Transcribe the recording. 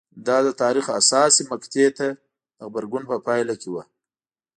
دا د تاریخ حساسې مقطعې ته د غبرګون په پایله کې وه